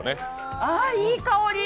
ああいい香り！